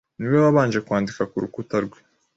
niwe wabanje kwandika ku rukuta rwe